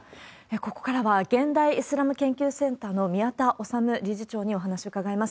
ここからは、現代イスラム研究センターの宮田律理事長にお話を伺います。